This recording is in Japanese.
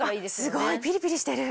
すごいピリピリしてる。